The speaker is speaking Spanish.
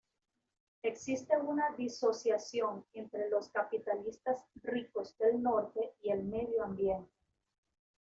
Existe una disociación entre los capitalistas ricos del Norte y el medio ambiente.